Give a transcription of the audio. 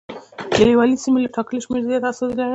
کلیوالي سیمو له ټاکلي شمېر زیات استازي لرل.